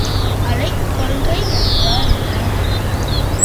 அலைக்கொள்கை என்றால் என்ன?